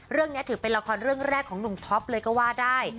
เรื่องนี้ถือเป็นละครเรื่องแรกของหนุ่มท็อปเลยก็ว่าได้